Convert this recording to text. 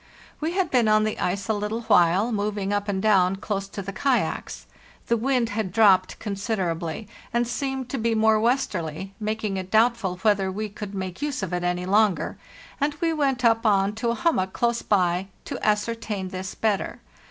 We had been on the ice a little while, moving up and down close to the kayaks. The wind had dropped considerably, and e it doubtful whether seemed to be more westerly, makin we could make use of it any longer, and we went up on to a hummock close by to ascertain this better.